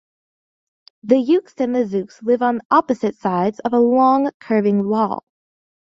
The Yooks and the Zooks live on opposite sides of a long curving wall.